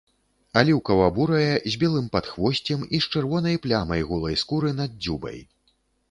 Аліўкава-бурая з белым падхвосцем і з чырвонай плямай голай скуры над дзюбай.